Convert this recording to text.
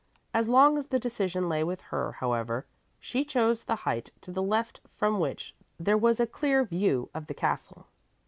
As long as the decision lay with her, however, she chose the height to the left from which there was a clear view of the castle.